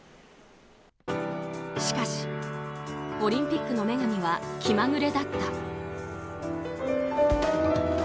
しかし、オリンピックの女神は気まぐれだった。